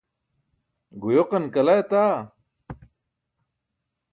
Guyoqan kala etaa!